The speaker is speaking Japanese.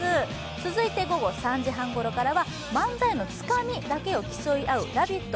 続いて午後３時半ごろからは漫才のつかみだけを競い合う「ラヴィット！」